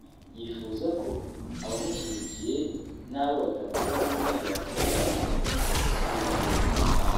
yifuza ko abamushyigikiye n’abo batavuga rumwe bakorera hamwe ku nyungu z’igihugu